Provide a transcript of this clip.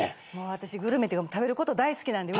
私グルメっていうか食べること大好きなんで。